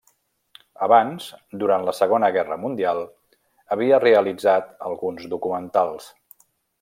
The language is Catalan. Abans, durant la Segona Guerra Mundial, havia realitzat alguns documentals.